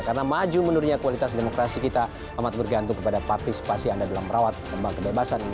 karena maju menurutnya kualitas demokrasi kita amat bergantung kepada partisipasi anda dalam merawat perkembangan kebebasan